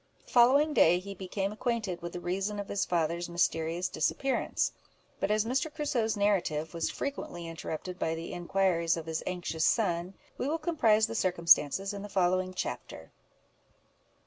The following day he became acquainted with the reason of his father's mysterious disappearance; but as Mr. Crusoe's narrative was frequently interrupted by the inquiries of his anxious son, we will comprise the circumstances in the following chapter.